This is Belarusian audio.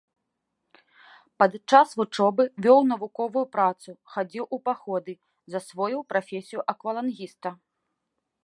Пад час вучобы вёў навуковую працу, хадзіў у паходы, засвоіў прафесію аквалангіста.